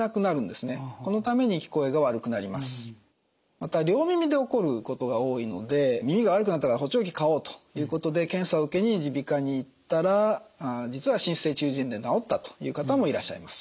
また両耳で起こることが多いので耳が悪くなったから補聴器買おうということで検査を受けに耳鼻科に行ったら実は滲出性中耳炎で治ったという方もいらっしゃいます。